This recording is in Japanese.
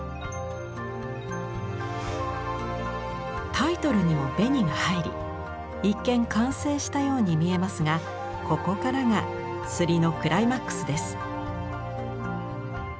タイトルにも紅が入り一見完成したように見えますがここからが摺りのクライマックスです。